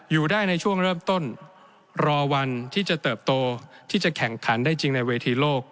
อยู่ได้ในช่วงเริ่มต้นรอวันที่จะเติบโตที่จะแข่งขันได้จริงในเวทีโลก